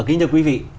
kính thưa quý vị